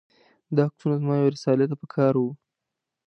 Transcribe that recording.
دا عکسونه زما یوې رسالې ته په کار و.